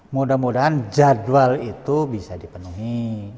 mudah mudahan jadwal itu bisa dipenuhi